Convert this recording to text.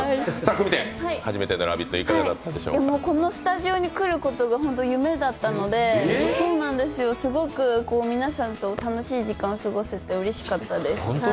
このスタジオに来ることが夢だったので、すごく皆さんと楽しい時間を過ごせて楽しかったです。